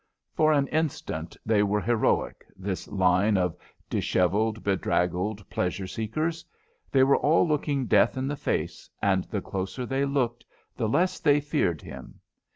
For an instant they were heroic, this line of dishevelled, bedraggled pleasure seekers. They were all looking Death in the face, and the closer they looked the less they feared him.